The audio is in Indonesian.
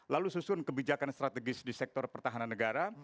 lalu susun kebijakan strategis di sektor pertahanan negara